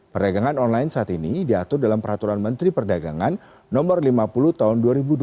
perdagangan online saat ini diatur dalam peraturan menteri perdagangan no lima puluh tahun dua ribu dua puluh